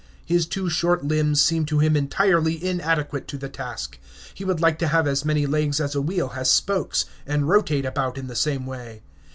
His two short limbs seem to him entirely inadequate to the task. He would like to have as many legs as a wheel has spokes, and rotate about in the same way.